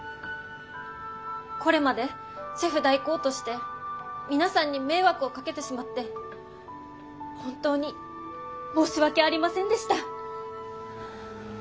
これまでシェフ代行として皆さんに迷惑をかけてしまって本当に申し訳ありませんでした。